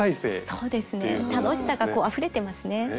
そうですね楽しさがあふれてますね。